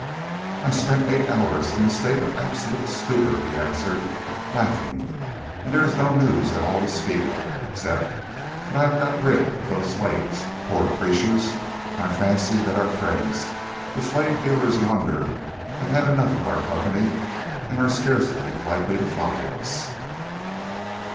"I spent eight hours in a state of absolute stupor," he answered laughing, "and there is no news at all to speak of, except that I have got rid of those slaves, poor creatures. I fancy that our friends, the slave dealers yonder, have had enough of our company, and are scarcely likely to follow us."